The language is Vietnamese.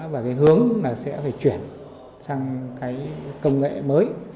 và hướng là sẽ phải chuyển sang công nghệ mới